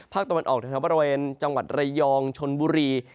ตะวันออกแถวบริเวณจังหวัดระยองชนบุรี